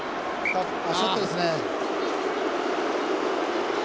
ショットですね。